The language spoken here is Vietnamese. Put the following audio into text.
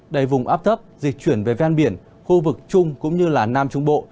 đầy vùng áp thấp dịch chuyển về ven biển khu vực trung cũng như nam trung bộ